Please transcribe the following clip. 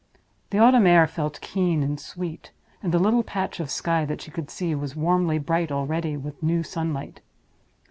The autumn air felt keen and sweet; and the little patch of sky that she could see was warmly bright already with the new sunlight.